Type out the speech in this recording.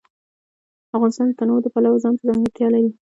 افغانستان د تنوع د پلوه ځانته ځانګړتیا لري.